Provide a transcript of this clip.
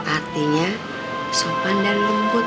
artinya sopan dan lembut